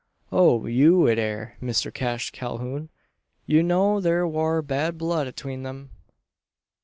"O, you it air, Mister Cash Calhoun! You know thur war bad blood atween 'em?